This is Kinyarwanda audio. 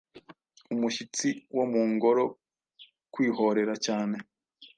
Umushyitsi wo mu ngoro kwihorera cyane